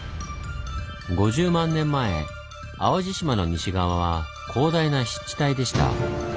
５０万年前淡路島の西側は広大な湿地帯でした。